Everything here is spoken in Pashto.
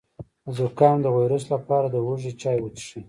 د زکام د ویروس لپاره د هوږې چای وڅښئ